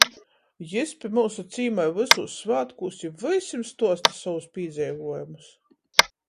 Jis pi myusu cīmoj vysūs svātkūs i vysim stuosta sovus pīdzeivuojumus.